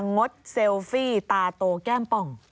งดเซลฟี่ตาโตแก้มป่อง